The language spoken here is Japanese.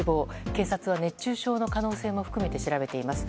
警察は熱中症の可能性も含めて調べています。